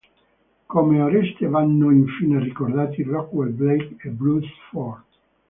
Come Oreste vanno infine ricordati Rockwell Blake e Bruce Ford.